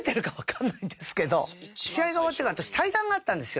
試合が終わってから私対談があったんですよ。